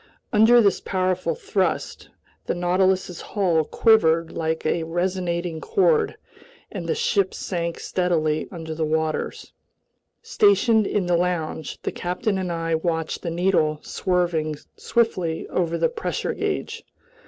Under this powerful thrust the Nautilus's hull quivered like a resonating chord, and the ship sank steadily under the waters. Stationed in the lounge, the captain and I watched the needle swerving swiftly over the pressure gauge.